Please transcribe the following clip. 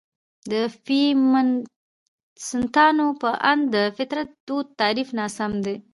د فيمنستانو په اند: ''...د فطرت دود تعريف ناسم دى.